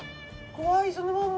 くわいそのまんま！